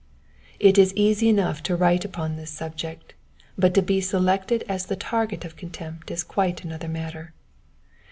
It is easy enough to write upon this subject, but to be selected as the tareet of contempt is quite another matter.